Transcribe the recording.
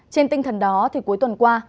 trên tinh thần đó thì cuối tuần qua